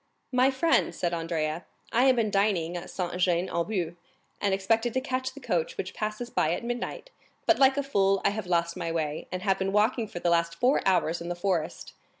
"My friend," said Andrea, "I have been dining at Saint Jean aux Bois, and expected to catch the coach which passes by at midnight, but like a fool I have lost my way, and have been walking for the last four hours in the forest.